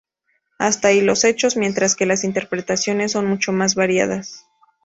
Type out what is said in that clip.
Hasta aquí los hechos, mientras que las interpretaciones son mucho más variadas.